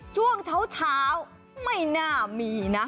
ช่วงเช้าไม่น่ามีนะ